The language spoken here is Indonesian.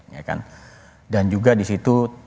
ya kan dan juga disitu